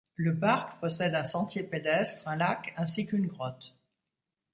Le parc possède un sentier pédestre, un lac ainsi qu'une grotte.